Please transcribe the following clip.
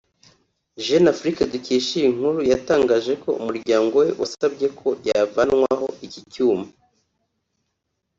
Jeune Afrique dukesha iyi nkuru yatangaje ko umuryango we wasabye ko yavanwaho iki cyuma